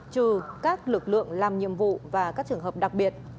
trừ các lực lượng làm nhiệm vụ và các trường hợp đặc biệt